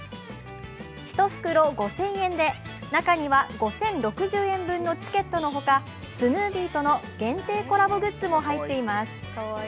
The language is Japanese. １袋５０００円で中には５０６０円分のチケットのほかスヌーピーとの限定コラボグッズも入っています。